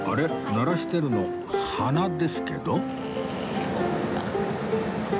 鳴らしてるの鼻ですけど